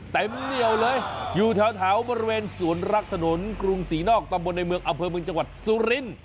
เหนียวเลยอยู่แถวบริเวณสวนรักถนนกรุงศรีนอกตำบลในเมืองอำเภอเมืองจังหวัดสุรินทร์